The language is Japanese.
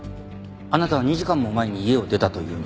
あなたは２時間も前に家を出たというのに。